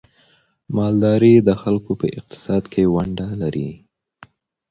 مالداري د خلکو په اقتصاد کې ونډه لري.